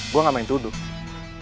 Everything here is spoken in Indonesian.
gue gak main duduk